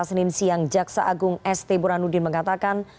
senin siang jaksa agung st buranuddin mengatakan